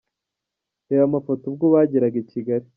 Reba amafoto ubwo bageraga i Kigali:.